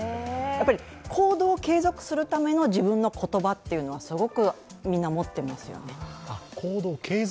行動を継続するための自分の言葉っていうのはすごくみんな持っていますよね。